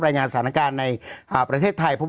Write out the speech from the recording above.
รายงานสถานการณ์ในประเทศไทยพบ